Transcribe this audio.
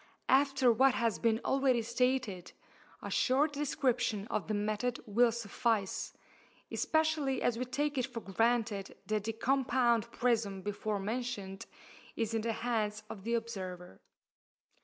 After what has been already stated, a short description of the method will suffice, especially as we take it for granted that the compound prism before mentioned is in the hands of the observer.